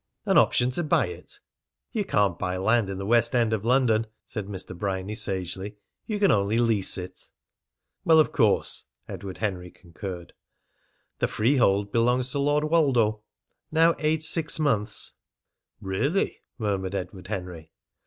"An option to buy it?" "You can't buy land in the West End of London," said Mr. Bryany sagely. "You can only lease it." "Well, of course," Edward Henry concurred. "The freehold belongs to Lord Woldo, now aged six months." "Really!" murmured Edward Henry.